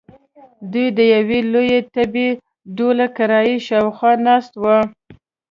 دوی د یوې لویې تبۍ ډوله کړایۍ شاخوا ناست وو.